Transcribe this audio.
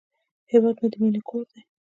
هیواد مې د مینې کور دی